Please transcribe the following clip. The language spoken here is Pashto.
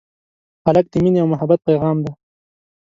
هلک د مینې او محبت پېغام دی.